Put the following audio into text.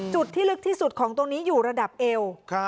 จุดที่ลึกที่สุดของตรงนี้อยู่ระดับเอว